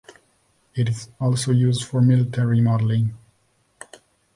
It is also used for military modelling.